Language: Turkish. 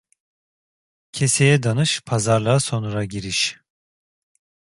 Keseye danış, pazarlığa sonra giriş.